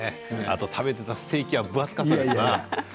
食べていたステーキは分厚かったですね。